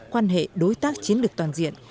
quan hệ đối tác chiến lược toàn diện